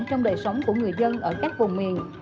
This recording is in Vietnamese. trong đời sống của người dân ở các vùng miền